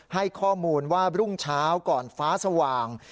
ให้ข้อมูลว่ารุ่งเช้าก่อนฟ้าสว่าง